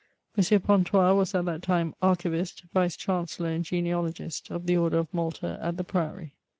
M. Pontois was at that time archiTist, Tice chancellor and. genealogist of the Order of Malta at the Priory.